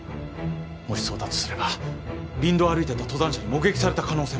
もしそうだとすれば林道を歩いてた登山者に目撃された可能性も。